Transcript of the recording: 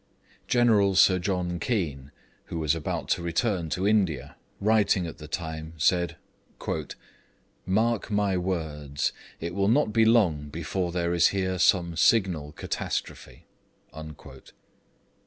General Sir John Keane, who was about to return to India, writing at the time, said 'Mark my words, it will not be long before there is here some signal catastrophe.'